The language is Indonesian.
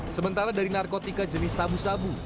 sementara dari narkotika jenis sabu sabu